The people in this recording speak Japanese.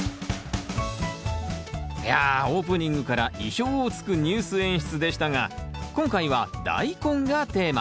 いやオープニングから意表をつくニュース演出でしたが今回はダイコンがテーマ。